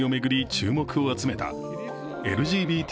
注目を集めたＬＧＢＴ